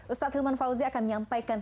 ustadz hilman fauzi akan menyampaikan